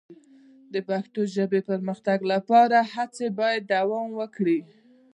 د پښتو ژبې د پرمختګ لپاره هڅې باید دوام وکړي.